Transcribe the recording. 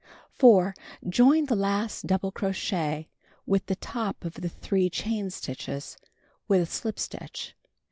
4. Join the last double crochet with the top of the 3 chain stitches with a slip stitch.